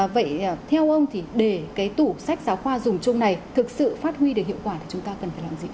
vậy theo ông thì để cái tủ sách giáo khoa dùng chung này thực sự phát huy được hiệu quả thì chúng ta cần phải làm gì